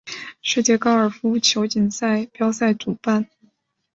世界高尔夫球锦标赛主办。